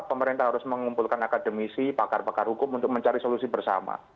pemerintah harus mengumpulkan akademisi pakar pakar hukum untuk mencari solusi bersama